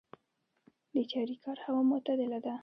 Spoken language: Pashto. د چاریکار هوا معتدله ده